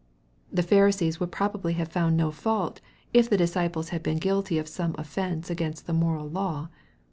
The Pharisees would probably have found no fault, if the disciples had been guilty of some offence against the moral law.